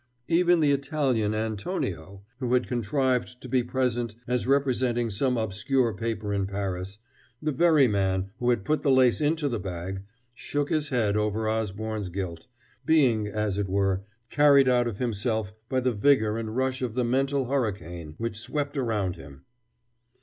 Even the Italian Antonio, who had contrived to be present as representing some obscure paper in Paris the very man who had put the lace into the bag shook his head over Osborne's guilt, being, as it were, carried out of himself by the vigor and rush of the mental hurricane which swept around him!